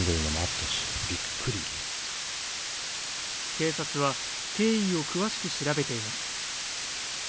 警察は経緯を詳しく調べています